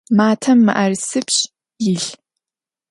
Matem mı'erısipş' yilh.